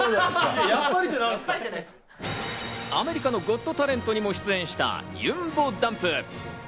アメリカの『ゴット・タレント』にも出演した、ゆんぼだんぷ。